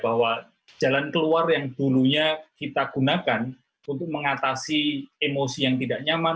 bahwa jalan keluar yang dulunya kita gunakan untuk mengatasi emosi yang tidak nyaman